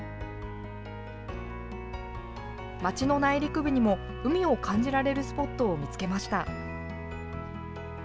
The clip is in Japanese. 町の内陸部にも海を感じられるスポットを見つけました。